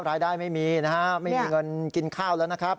รายได้ไม่มีนะครับไม่มีเงินกินข้าวแล้วนะครับ